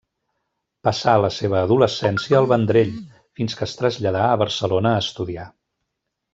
Passà la seva adolescència al Vendrell, fins que es traslladà a Barcelona a estudiar.